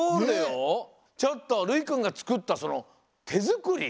ちょっとるいくんがつくったそのてづくり？